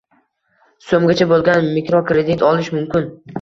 So'mgacha bo'lgan mikrokredit olish mumkin!